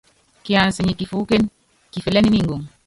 Kiansɛ nyɛ kifuúkén, kifɛlɛ́n ni ngoŋ.